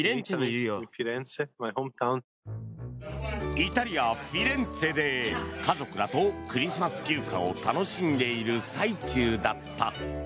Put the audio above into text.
イタリア・フィレンツェで家族らとクリスマス休暇を楽しんでいる最中だった。